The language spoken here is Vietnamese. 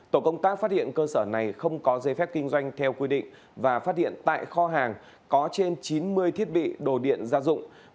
tổ công tác phát hiện cơ sở này không có giấy phép kinh doanh theo quy định và phát hiện tại kho hàng có trên chín mươi thiết bị đồ điện gia dụng